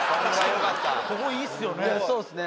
ここいいっすよね